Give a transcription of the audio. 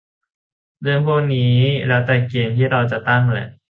เรื่องพวกนี้ก็แล้วแต่เกณฑ์ที่เราจะตั้งแหละ